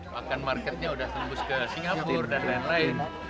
bahkan marketnya sudah tembus ke singapura dan lain lain